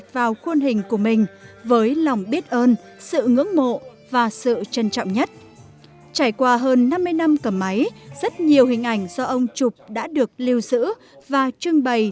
với những hình ảnh trải qua hơn năm mươi năm cầm máy rất nhiều hình ảnh do ông trục đã được lưu giữ và trưng bày